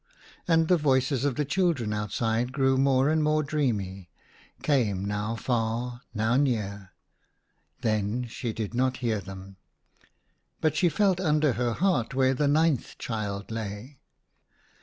And the voices of the children out side grew more and more dreamy, came now far, now near ; then she did not hear them, but she felt under her heart where the ninth child lay.